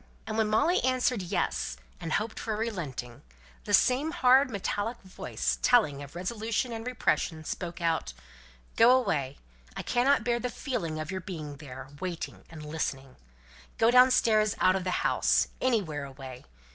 and when Molly answered "Yes," and hoped for a relenting, the same hard metallic voice, telling of resolution and repression, spoke out, "Go away. I cannot bear the feeling of your being there waiting and listening. Go downstairs out of the house anywhere away.